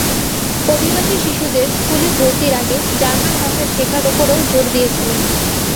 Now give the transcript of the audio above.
অভিবাসী শিশুদের স্কুলে ভর্তির আগে জার্মান ভাষা শেখার ওপরও জোর দিয়েছিলেন।